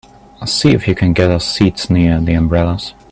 See if you can get us seats near the umbrellas.